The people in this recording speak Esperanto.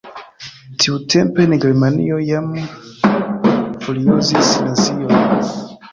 Tiutempe en Germanio jam furiozis nazioj.